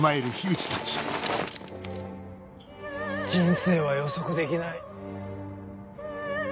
人生は予測できない。